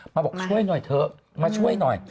บอกช่วยหน่อยเถอะมาช่วยหน่อย